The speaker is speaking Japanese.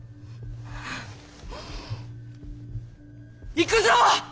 行くぞ！